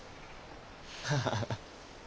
ハハハ。